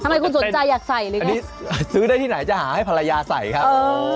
ทำไมคุณสนใจอยากใส่เลยครับอันนี้ซื้อได้ที่ไหนจะหาให้ภรรยาใส่ครับ